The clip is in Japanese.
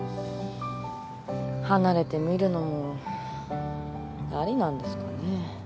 離れてみるのもありなんですかねぇ。